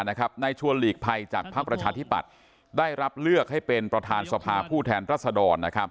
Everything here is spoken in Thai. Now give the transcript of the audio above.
นายชวนหลีกภัยจากภักดิ์ประชาธิปัตย์ได้รับเลือกให้เป็นประธานสภาผู้แทนรัศดร